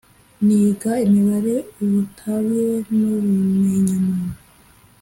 Niga imibare ubutabire nubu menya muntu